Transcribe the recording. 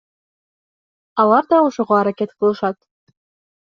Алар да ошого аракет кылышат.